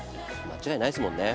間違いないですもんね。